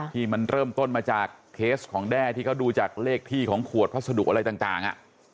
ที่มันเริ่มต้นมาจากเคสของแด้ที่เขาดูจากเลขที่ของขวดพัสดุอะไรต่าง